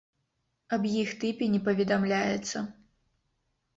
Аб іх тыпе не паведамляецца.